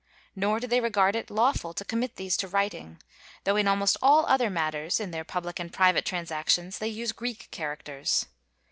Nor do they regard it lawful to commit these to writing, though in almost all other matters, in their public and private transactions, they use Greek characters.